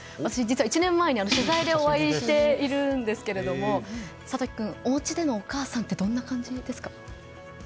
１年前に取材でお会いしてるんですけど諭樹君、おうちでのお母さんどんな感じですか？